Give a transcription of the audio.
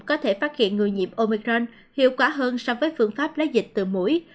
có thể phát hiện người nhiễm omicron hiệu quả hơn so với phương pháp lấy dịch từ mũi